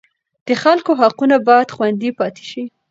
د خلکو حقونه باید خوندي پاتې شي.